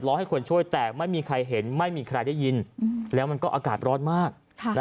ให้คนช่วยแต่ไม่มีใครเห็นไม่มีใครได้ยินแล้วมันก็อากาศร้อนมาก